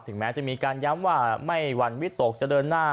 ถึงแม้จะมีการย้ำว่าไม่วันวิตกเจริญหน้า